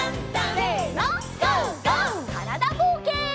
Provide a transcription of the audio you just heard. からだぼうけん。